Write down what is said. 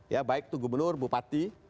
ya baik itu gubernur bupati